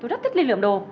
tôi rất thích đi lượm đồ